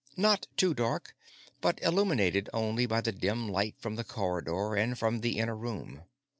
Not too dark, but illuminated only by the dim light from the corridor and from the inner room.